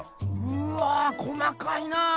うわ細かいな！